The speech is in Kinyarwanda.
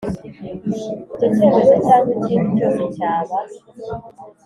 Icyo cyemezo cyangwa ikindi cyose cyaba